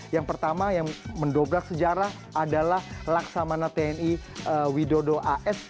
yang pertama yang mendobrak sejarah adalah laksamana tni widodo as